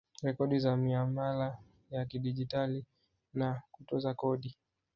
Rekodi za miamala ya kidigitali na kutoza kodi